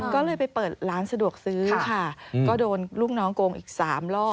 ก็เลยไปเปิดร้านสะดวกซื้อค่ะก็โดนลูกน้องโกงอีก๓รอบ